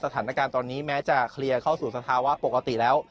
สถานการณ์ตอนนี้แม้จะเคลียร์เข้าสู่สภาวะปกติแล้ว